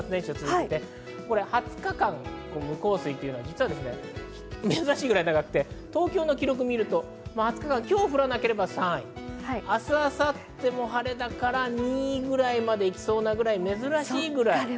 ２０日間、無降水というのは実は珍しいぐらい長くて、東京の記録を見ると今日降らなければ３位、明日、明後日も晴れだから２位ぐらいまで行きそうなぐらい、珍しいぐらいです。